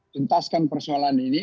tuntaskan persoalan ini